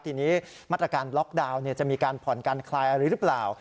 ทีนี้มาตรการล็อกดาวน์จะมีการผ่อนการคลายอะไรหรือเปล่า